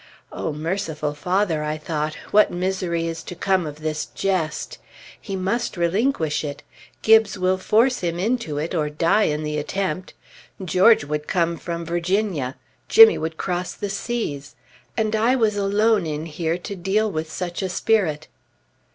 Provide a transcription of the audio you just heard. O merciful Father, I thought; what misery is to come of this jest. He must relinquish it. Gibbes will force him into it, or die in the attempt; George would come from Virginia.... Jimmy would cross the seas.... And I was alone in here to deal with such a spirit!